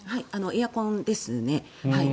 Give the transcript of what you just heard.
エアコンですね。